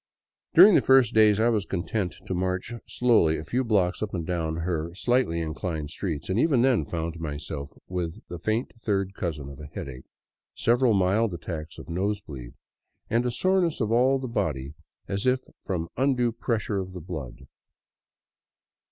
During the first days I was content to march slowly a few blocks up and down her slightly inclined streets, and even then found myself with the faint third cousin of a headache, several mild attacks of nose bleed, and a soreness of all the body as if from undue pressure of the blood.